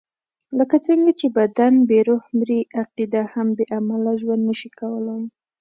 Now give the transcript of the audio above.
لکه څنګه چې بدن بې روح مري، عقیده هم بې عمله ژوند نشي کولای.